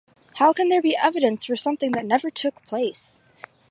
How can there be evidence for something that never took place?